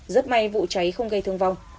rất may vụ cháy không gây thương vong